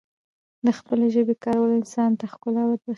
دخپلې ژبې کارول انسان ته ښکلا وربښی